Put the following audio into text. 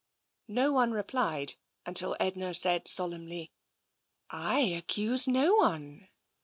No one replied, until Edna said solemnly, " I accuse no one."